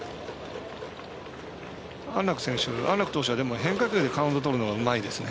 安樂投手は変化球でカウントとるのがうまいですね。